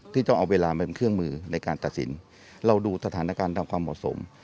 ที่ต้องเอาเวลามาเป็นเครื่องมือในการตัดสินเราดูสถานการณ์ทำความเหมาะสม